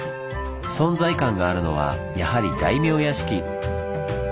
存在感があるのはやはり大名屋敷！